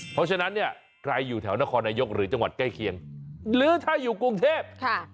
เพราะฉะนั้นเนี่ยใครอยู่แถวนครนายกหรือจังหวัดใกล้เคียงหรือถ้าอยู่กรุงเทพค่ะ